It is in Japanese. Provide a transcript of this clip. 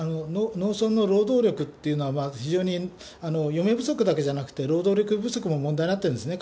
農村の労働力っていうのは、非常に嫁不足だけじゃなくて、労働力不足も問題になってるんですね。